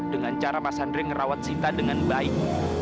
dengan cara mas andre ngerawat sita dengan baik